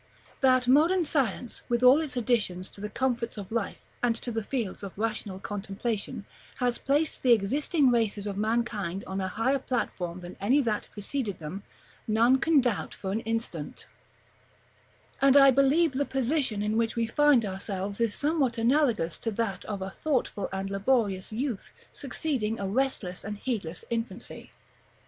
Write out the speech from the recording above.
§ II. That modern science, with all its additions to the comforts of life, and to the fields of rational contemplation, has placed the existing races of mankind on a higher platform than any that preceded them, none can doubt for an instant; and I believe the position in which we find ourselves is somewhat analogous to that of thoughtful and laborious youth succeeding a restless and heedless infancy.